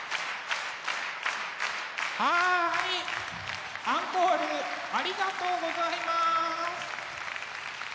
はいアンコールありがとうございます！